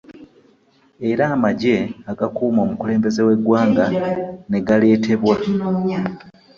Era amagye agakuuma omukulembeze w'eggwanga ne galeetebwa